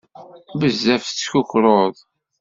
Bezzaf tettkukruḍ.